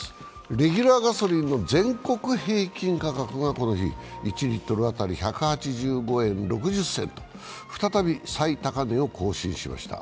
レギュラーガソリンの全国平均価格がこの日、１リットル当たり１８５円６０銭と再び最高値を更新しました。